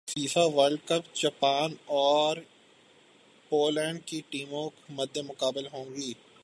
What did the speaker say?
FIFA World Cup Japan اور Poland کی ٹیمیں مدمقابل ہوں گی